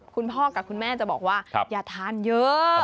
คุณพ่อกับคุณแม่จะบอกว่าอย่าทานเยอะ